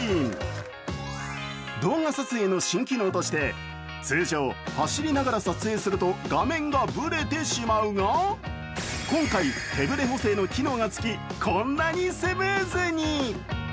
動画撮影の新機能として、通常、走りながら撮影すると画面がぶれてしまうが、今回手ぶれ補正の機能がつきこんなにスムーズに。